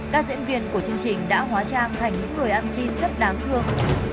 các diễn viên của chương trình đã hóa trang thành những người ăn xin rất đáng thương